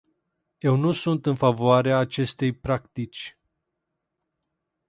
Eu nu sunt în favoarea acestei practici.